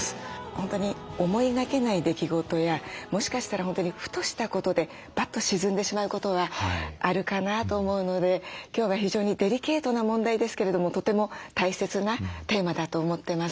本当に思いがけない出来事やもしかしたら本当にふとしたことでばっと沈んでしまうことはあるかなと思うので今日は非常にデリケートな問題ですけれどもとても大切なテーマだと思ってます。